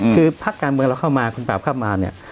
คือพักการเมืองเราเข้ามาคุณปราบเข้ามาเนี่ย